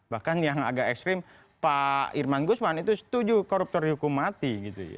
bahkan yang agak ekstrim pak irman gusman itu setuju koruptor dihukum mati